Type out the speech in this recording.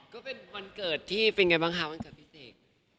ก็เป็นวันเกิดที่เป็นไงบ้างคะวันเกิดพี่เสก